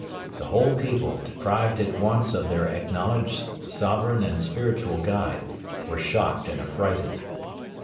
The whole people, deprived at once of their acknowledged sovereign and spiritual guide, were shocked and affrighted.